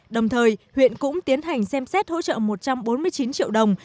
đồng thời huyện cũng tiến hành xem xét hỗ trợ một trăm bốn mươi chín triệu đồng